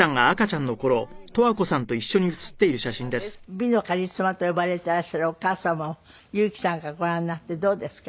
美のカリスマと呼ばれていらっしゃるお母様を憂樹さんからご覧になってどうですか？